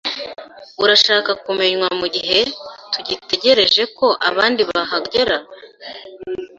Urashaka kunywa mugihe tugitegereje ko abandi bahagera?